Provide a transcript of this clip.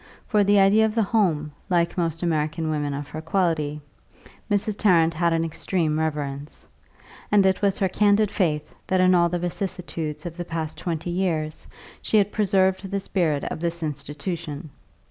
For the idea of the home, like most American women of her quality, Mrs. Tarrant had an extreme reverence; and it was her candid faith that in all the vicissitudes of the past twenty years she had preserved the spirit of this institution.